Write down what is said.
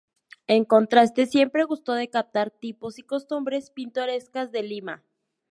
En contraste, siempre gustó de captar tipos y costumbres pintorescas de Lima.